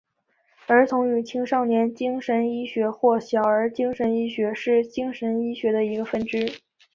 儿童与青少年精神医学或小儿精神医学是精神医学的一个分支。